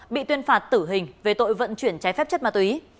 bị tuyên phạt tử hình về tội vận chuyển trái phép chất ma túy